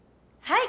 はい。